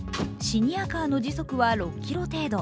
シニアカーの時速は６ｋｍ程度。